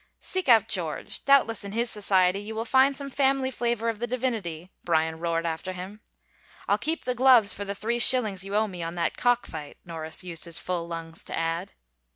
" Seek out George — doubtless in his society you will find some family flavor of the divinity !" Bryan roared after him. " I'll keep the gloves for the three shillings you owe me on that cock fight," Norris used his full lungs to add.